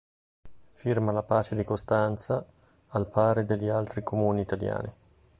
Firma la pace di Costanza al pari degli altri Comuni italiani.